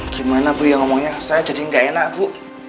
gimana bu ya ngomongnya saya jadi nggak enak bu